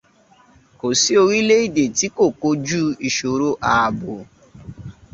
Kò sí orílẹ̀-èdè tí kò kojú ìṣòro ààbọ̀.